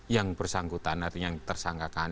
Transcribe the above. yang bersangkutan artinya yang tersangkakan